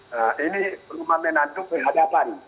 nah ini rumah menanduk berhadapan